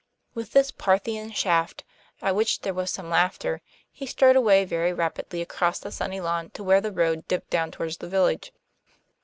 With this Parthian shaft, at which there was some laughter, he strode away very rapidly across the sunny lawn to where the road dipped down toward the village.